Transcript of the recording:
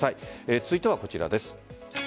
続いてはこちらです。